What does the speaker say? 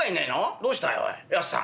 どうしたいおい安さん。